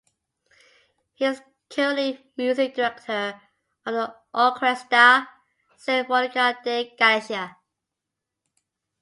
He is currently music director of the Orquesta Sinfonica de Galicia.